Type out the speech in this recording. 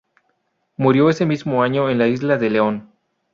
Murió ese mismo año en la Isla de León.